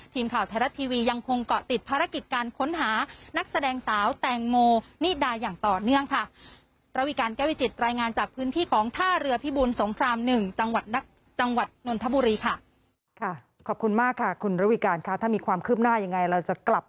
ทีมข่าวไทยรัฐทีวียังคงเกาะติดภารกิจการค้นหานักแสดงสาวแตงโมนิดาอย่างต่อเนื่องค่ะ